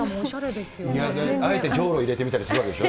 でもあえてじょうろを入れてみたりするわけでしょ。